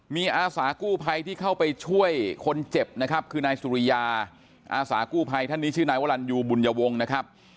มีอาสากู้ภัยที่เข้าไปช่วยคนเจ็บนะครับคือนายสุริยาอาสากู้ภัยท่านนี้ชื่อนายวรรณยูบุญวงศ์นะครับ